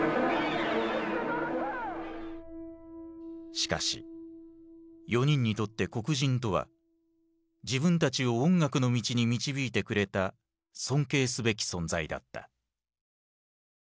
しかし４人にとって黒人とは自分たちを音楽の道に導いてくれた尊敬すべき存在だった。